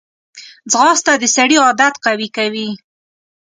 ځغاسته د سړي عادت قوي کوي